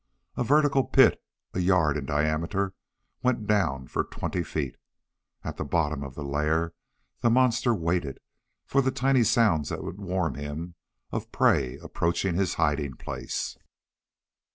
A vertical pit, a yard in diameter, went down for twenty feet. At the bottom of the lair the monster waited for the tiny sounds that would warn him of prey approaching his hiding place.